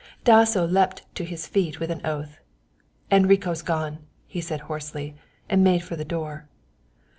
Dasso leapt to his feet with an oath. "Enrico's gone," he said hoarsely, and made for the door.